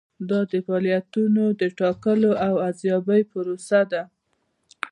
دا د فعالیتونو د ټاکلو او ارزیابۍ پروسه ده.